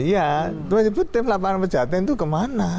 iya disebut tim lapangan pejahatan itu kemana